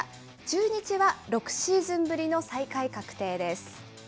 中日は６シーズンぶりの最下位確定です。